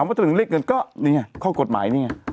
สมมุติไอบุหรี่ไฟฟ้าเนี่ย